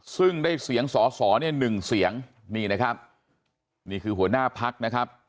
ซึ่งได้เสียงสอสอเนี่ยหนึ่งเสียงนี่นะครับนี่คือหัวหน้าพักนะครับ